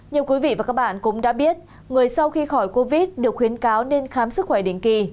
nhiều quý vị và các bạn cũng đã biết người sau khi khỏi covid được khuyến cáo nên khám sức khỏe định kỳ